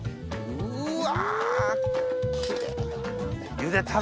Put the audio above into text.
うわ！